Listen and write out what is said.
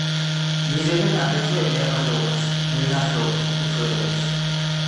მისდევდნენ აგრეთვე მებაღეობას, მევენახეობას, მეფუტკრეობას.